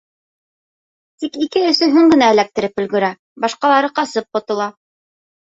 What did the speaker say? Тик ике-өсөһөн генә эләктереп өлгөрә, башҡалары ҡасып ҡотола.